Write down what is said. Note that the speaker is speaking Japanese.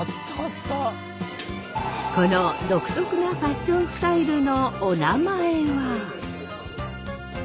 この独特なファッションスタイルのおなまえは？